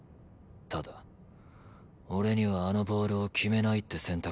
ただ俺にはあのボールを決めないって選択肢もあった。